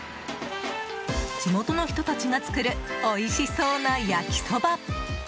地元の人たちが作るおいしそうな焼きそば。